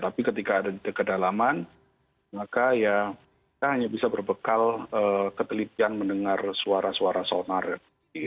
tapi ketika ada di kedalaman maka ya kita hanya bisa berbekal ketelitian mendengar suara suara sonar